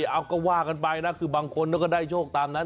เอาก็ว่ากันไปนะคือบางคนก็ได้โชคตามนั้น